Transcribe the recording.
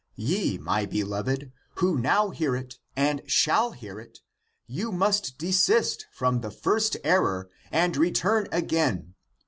Ye, my beloved, who now hear it and shall hear it,^°^ you must desist from the first error and return again.